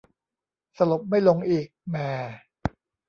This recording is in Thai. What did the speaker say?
สลบไม่ลงอีก แหม่